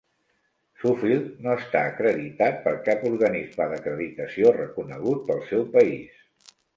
Suffield no està acreditat per cap organisme d'acreditació reconegut pel seu país.